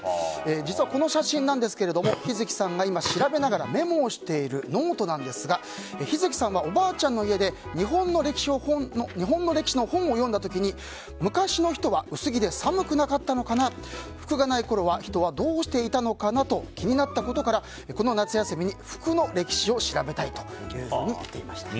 実は、この写真なんですが陽月さんが今調べながらメモをしているノートなんですが陽月さんがおばあちゃんの家で日本の歴史の本を読んだ時に昔の人は薄着で寒くなかったのかな服がないころは人はどうしていたのかなと気になったことからこの夏休みに服の歴史を調べたいというふうに言っていました。